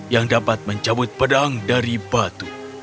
yang dapat mencabut pedang dari batu